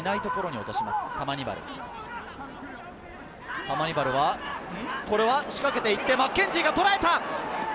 タマニバルは仕掛けていってマッケンジーがとらえた！